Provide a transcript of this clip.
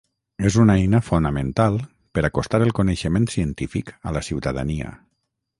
És una eina fonamental per acostar el coneixement científic a la ciutadania.